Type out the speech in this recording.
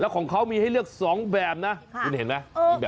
แล้วของเขามีให้เลือกสองแบบน่ะค่ะคุณเห็นไหมเออ